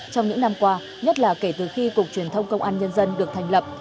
trong những năm qua nhất là kể từ khi cục truyền thông công an nhân dân được thành lập